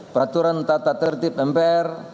peraturan tata tertib mpr